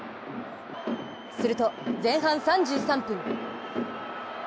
すると、前半３３分。